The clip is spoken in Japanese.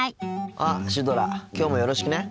あっシュドラきょうもよろしくね。